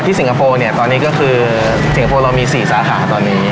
สิงคโปร์เนี่ยตอนนี้ก็คือสิงคโปร์เรามี๔สาขาตอนนี้